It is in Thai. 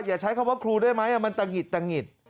อย่าใช้คำว่าครูได้ไหมมันตะหิดตะหิด